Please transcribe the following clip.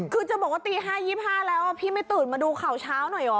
คือจะบอกว่าตี๕๒๕แล้วพี่ไม่ตื่นมาดูข่าวเช้าหน่อยเหรอ